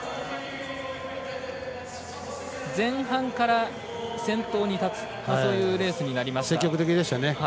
前半から、先頭に立つというレースになりました。